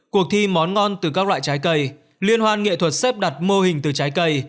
cuộc thi món ngon từ các loại trái cây liên hoan nghệ thuật xếp đặt mô hình từ trái cây